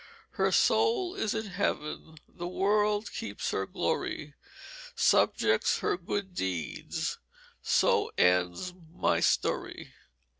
Her Soul is in Heaven, the World keeps her glory, Subjects her good deeds, so ends my Story."